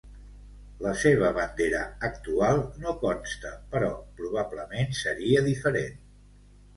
La seva bandera actual no consta però probablement seria diferent.